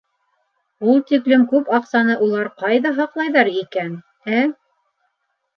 — Ул тиклем күп аҡсаны улар ҡайҙа һаҡлайҙар икән, ә?